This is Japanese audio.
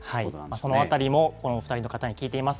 そのあたりも、この２人の方に聞いています。